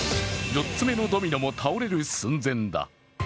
４つ目のドミノも倒れる寸前だ。